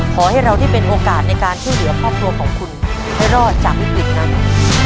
ขอให้เราได้เป็นโอกาสในการช่วยเหลือครอบครัวของคุณให้รอดจากวิกฤตนั้น